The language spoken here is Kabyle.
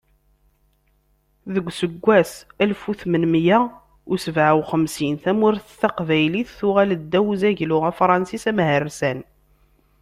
Deg useggas n alef u tmenmiyya u sebɛa u xemsin, tamurt taqbaylit tuɣal ddaw n uzaglu afṛensis amhersan.